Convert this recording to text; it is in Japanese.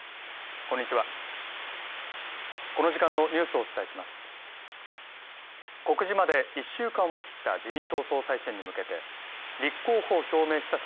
こんにちは、この時間のニュースをお伝えします。